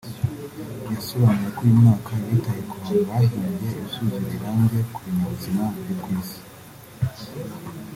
yasobanuye ko uyu mwaka bitaye ku bantu bahimbye ibisubizo birambye ku binyabuzima byo ku Isi